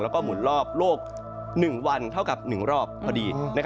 แล้วก็หมุนรอบโลก๑วันเท่ากับ๑รอบพอดี